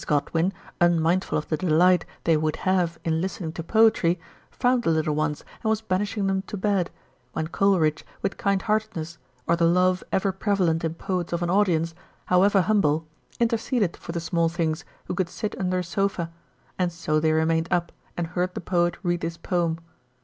Godwin, unmindful of the delight they would have in listening to poetry, found the little ones and was banishing them to bed ; when Coleridge with kind heartedness, or the love ever prevalent in poets of an audience, however humble, interceded for the small things who could sit under a sofa, and so they remained up and heard the poet read his poem.